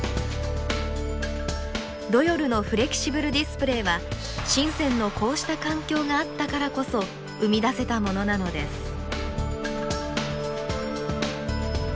ロヨルのフレキシブルディスプレーは深のこうした環境があったからこそ生み出せたものなのです。